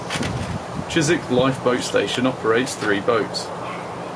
Chiswick Lifeboat Station operates three boats.